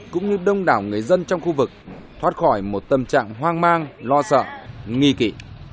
cũng như đông đảo người dân trong khu vực thoát khỏi một tâm trạng hoang mang lo sợ nghi kỵ